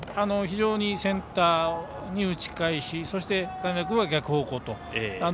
非常にセンターに打ち返しそして、金田君は逆方向。